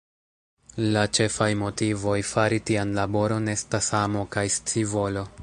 La ĉefaj motivoj fari tian laboron estas amo kaj scivolo.